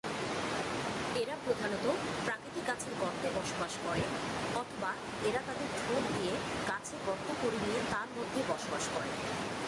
এরা প্রধানত প্রাকৃতিক গাছের গর্তে বসবাস করে অথবা এরা তাদের ঠোঁট দিয়ে গাছে গর্ত করে নিয়ে তার মধ্যে বসবাস করে।